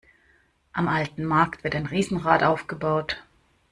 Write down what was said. Am alten Markt wird ein Riesenrad aufgebaut.